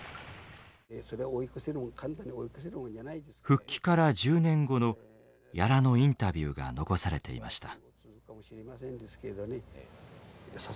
復帰から１０年後の屋良のインタビューが残されていました。